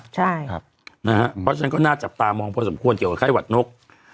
เพราะฉะนั้นก็น่าจับตามองพอสมควรเกี่ยวกับไข้หวัดนก